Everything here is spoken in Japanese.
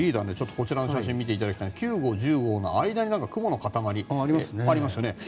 こちらの写真を見ていただきたいんですが９号、１０号の間に雲の塊、ありますよね。